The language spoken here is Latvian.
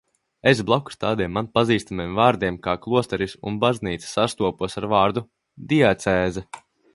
"Es blakus tādiem man pazīstamiem vārdiem kā "klosteris" un "baznīca" sastapos ar vārdu "diacēze"."